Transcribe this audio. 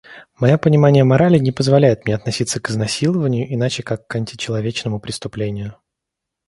Моё понимание морали не позволяет мне относиться к изнасилованию, иначе как к античеловечному преступлению.